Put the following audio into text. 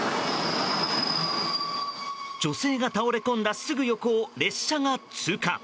女性が倒れこんだすぐ横を列車が通過。